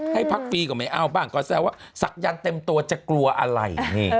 ให้พักฟรีก็ไม่เอาบ้างก็แซวว่าศักยันต์เต็มตัวจะกลัวอะไร